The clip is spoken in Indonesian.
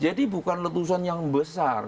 jadi bukan letusan yang besar